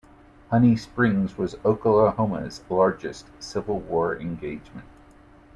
Honey Springs was Oklahoma's largest Civil War engagement.